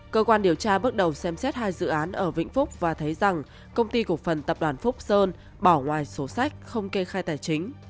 cơ quan điều tra bước đầu xem xét hai dự án ở vĩnh phúc và thấy rằng công ty cổ phần tập đoàn phúc sơn bỏ ngoài sổ sách không kê khai tài chính